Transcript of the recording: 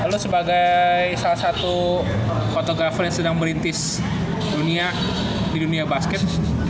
lo sebagai salah satu fotografer yang sedang merintis dunia di dunia basket